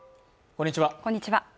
こんにちは